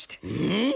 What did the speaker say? うん！？